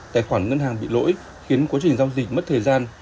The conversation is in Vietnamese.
tài khoản ngân hàng bị lỗi khiến quá trình giao dịch mất thời gian